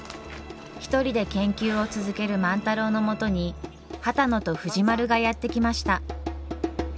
一人で研究を続ける万太郎のもとに波多野と藤丸がやって来ました。